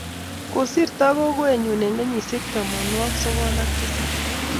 kisirto gogoenyu eng' kenyisiek tamanwokik sokol ak tisap.